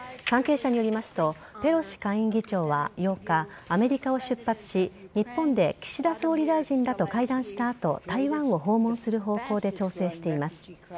関係者によりますとペロシ下院議長は８日アメリカを出発し日本で岸田総理大臣らと会談した後台湾を訪問する方向で調整しています。